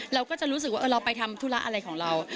เราก็จะรู้สึกว่าเราไปทำธุระอะไรของเรา